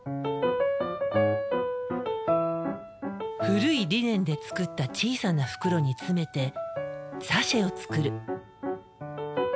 古いリネンで作った小さな袋に詰めてサシェを作る。